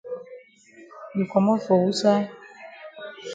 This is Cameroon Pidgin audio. You komot for wusaid?